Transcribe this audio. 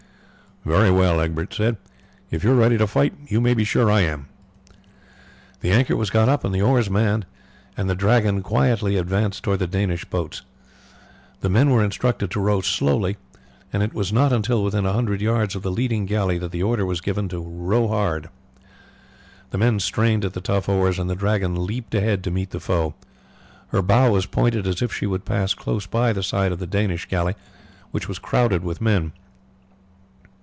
"Very well," Egbert said, "if you are ready to fight, you may be sure I am." The anchor was got up and the oars manned, and the Dragon quietly advanced towards the Danish boats. The men were instructed to row slowly, and it was not until within a hundred yards of the leading galley that the order was given to row hard. The men strained at the tough oars, and the Dragon leapt ahead to meet the foe. Her bow was pointed as if she would have passed close by the side of the Danish galley, which was crowded with men.